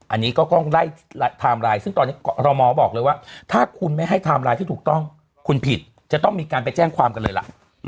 อันนี้ก็ต้องไล่ไทม์ไลน์ซึ่งตอนนี้เรามองบอกเลยว่าถ้าคุณไม่ให้ไทม์ไลน์ที่ถูกต้องคุณผิดจะต้องมีการไปแจ้งความกันเลยล่ะ